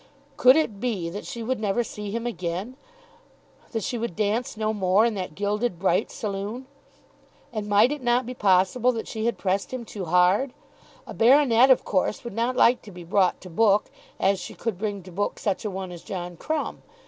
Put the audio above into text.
Could it be that she would never see him again; that she would dance no more in that gilded bright saloon? And might it not be possible that she had pressed him too hard? A baronet of course would not like to be brought to book, as she could bring to book such a one as John Crumb.